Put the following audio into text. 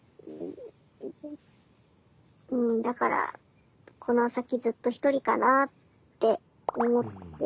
うんだからこの先ずっと１人かなあって思って。